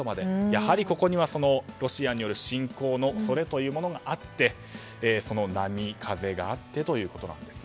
やはりここにはロシアによる侵攻の恐れがあってその波風があってということです。